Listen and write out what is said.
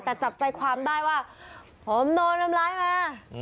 แต่จับใจความได้ว่าผมโดนทำร้ายมา